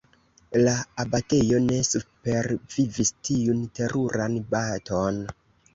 La abatejo ne supervivis tiun teruran baton.